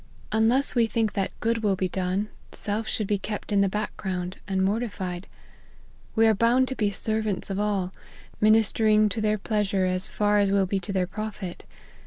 Unless we think D2 42 LIFE OF HENRY MARTYIV. that good will be done, self should be kept in the back ground, and mortified. We are bound to be servants of all, ministering to their pleasure as far as will be to their profit.